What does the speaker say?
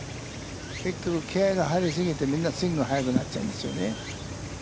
結局気合いが入り過ぎて、みんなスイングが速くなっちゃうんですよね。